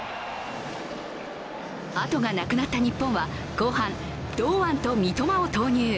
あとがなくなった日本は後半、堂安と三笘を投入。